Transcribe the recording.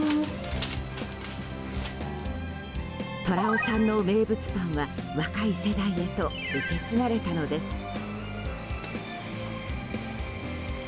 虎雄さんの名物パンは若い世代へと受け継がれたのです。